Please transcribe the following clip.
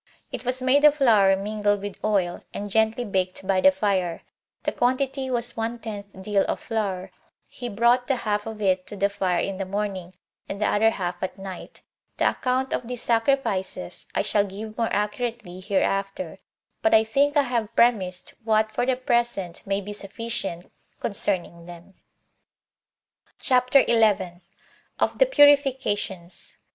It was made of flour mingled with oil, and gently baked by the fire; the quantity was one tenth deal of flour; he brought the half of it to the fire in the morning, and the other half at night. The account of these sacrifices I shall give more accurately hereafter; but I think I have premised what for the present may be sufficient concerning them. CHAPTER 11. Of The Purifications.